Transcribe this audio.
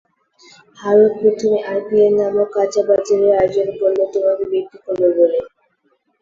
ভারত প্রথমে আইপিএল নামক কাঁচাবাজারের আয়োজন করল, তোমাকে বিক্রি করবে বলে।